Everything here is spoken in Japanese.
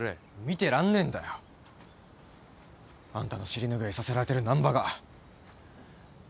見てらんねえんだよ。あんたの尻拭いさせられてる難破が。